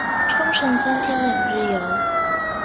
沖繩三天兩日遊